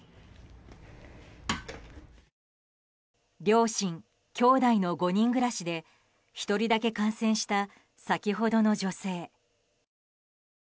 両親、きょうだいの５人暮らしで１人だけ感染した先ほどの女性。